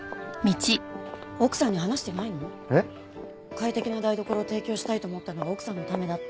快適な台所を提供したいと思ったのは奥さんのためだって。